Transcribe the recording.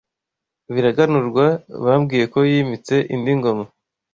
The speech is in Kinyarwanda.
Biraganurwa bambwiye Ko yimitse indi Ngoma